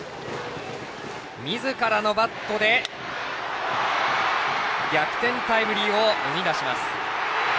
みずからのバットで逆転タイムリーを生み出します。